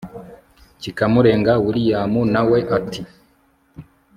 cyikamurenga william nawe ati